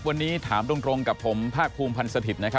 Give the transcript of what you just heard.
วันนี้ถามตรงกับผมภาคภูมิพันธ์สถิตย์